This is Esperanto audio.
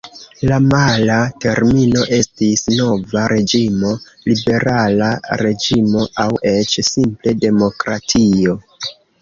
La mala termino estis Nova Reĝimo, Liberala Reĝimo aŭ eĉ simple Demokratio.